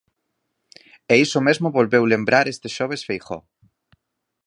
E iso mesmo volveu lembrar este xoves Feijóo.